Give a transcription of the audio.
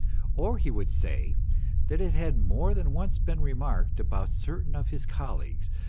Or he would say that it had more than once been remarked about certain of his colleagues 264 ME.